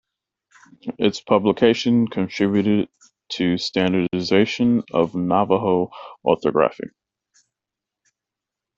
Its publication contributed to standardization of Navajo orthography.